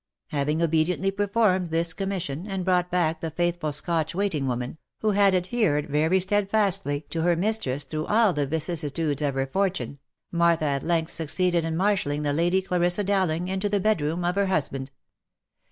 Having obediently performed this commission, and brought back the faithful Scotch waiting woman, who had adhered very stead fastly to her mistress through all the vicissitudes of her fortune, Martha at length succeeded in marshalling the Lady Clarissa Dowling into the bedroom of her husband.